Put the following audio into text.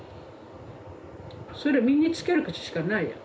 それを身につけるしかないよ。